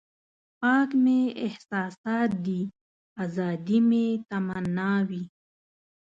پاک مې احساسات دي ازادي مې تمنا وي.